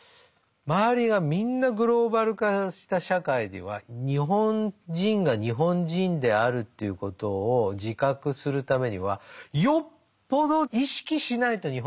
周りがみんなグローバル化した社会では日本人が日本人であるということを自覚するためにはよっぽど意識しないと日本人にはなれないわけ。